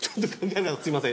すみません。